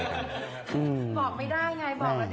บอกไม่ได้ไง